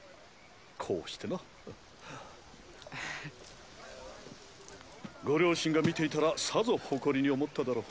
こうしてなご両親が見ていたらさぞ誇りに思っただろう